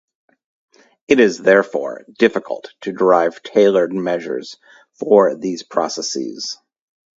It is therefore difficult to derive tailored measures for these processes.